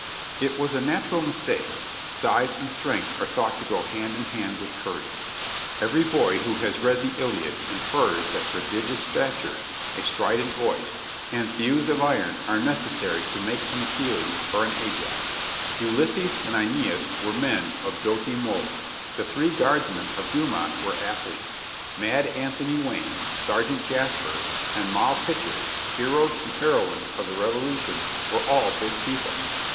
It was a natural mis take. Size and strength are thought to go hand in hand with courage. Every boy who has read the "Iliad" infers that pro LIFE IN THE BARRACKS 21 digious stature, a strident voice and thews of iron are necessary to make an Achilles or an Ajax. Ulysses and ^neas were men of doughty mould, the three guardsmen of Dumas were ath letes; Mad Anthony Wayne, Sergeant Jasper and Moll Pitcher, heroes and heroines of the Revolution, were all big people.